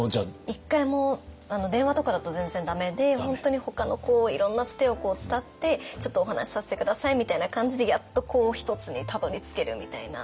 １回も電話とかだと全然駄目で本当にほかのいろんなつてを伝って「ちょっとお話しさせて下さい」みたいな感じでやっと一つにたどりつけるみたいな。